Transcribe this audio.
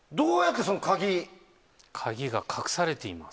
鍵が隠されています。